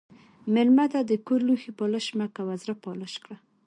مېلمه ته د کور لوښي پالش مه کوه، زړه پالش کړه.